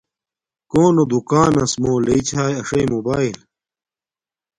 کونو دوکاناس مُو لݵ چھاݵ اݽݵ موباݵل